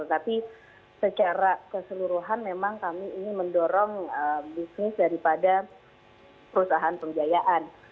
tetapi secara keseluruhan memang kami ingin mendorong bisnis daripada perusahaan pembiayaan